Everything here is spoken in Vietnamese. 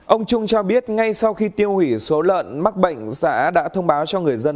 ông trung cho biết ngay sau khi tiêu hủy số lợn mắc bệnh xã đã thông báo cho người dân